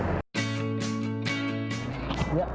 ya ini dia